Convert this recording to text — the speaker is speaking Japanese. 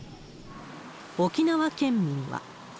沖縄県民は。